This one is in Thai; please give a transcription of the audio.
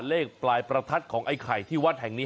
เลขปลายประทัดของไอ้ไข่ที่วัดแห่งนี้